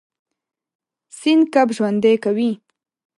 سیند کب ژوندی کوي.